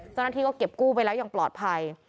เจ้าหน้าที่ก็เก็บกู้ไปแล้วอย่างปลอดภัย